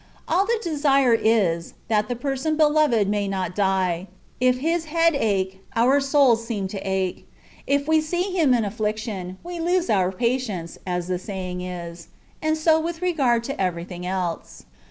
All the desire is, that the person beloved may not die : if his head ache, our souls seem to ache ; if we see him in affliction, we lose our patience, . as THE WAY Of PERFECTION. $5 the saying is; and so with regard to everything else.